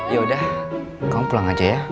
yaudah kamu pulang aja ya